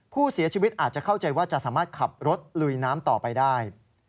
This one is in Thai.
ผู้เสียชีวิตอาจจะเข้าใจว่าจะสามารถขับรถลุยน้ำต่อไปได้